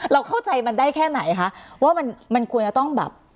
เราเข้าใจมันได้แค่ไหนคะว่ามันควรจะต้องแบบ